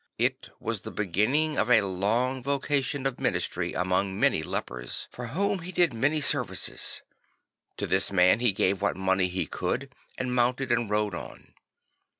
I twas the beginning of a long vocation of ministry among many lepers, for whom he did many services; to this man he gave what money he could and mounted and rode on.